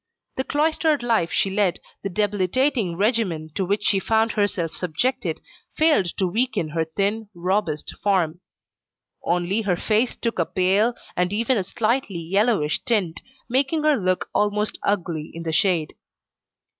The cloistered life she led, the debilitating regimen to which she found herself subjected, failed to weaken her thin, robust form. Only her face took a pale, and even a slightly yellowish tint, making her look almost ugly in the shade.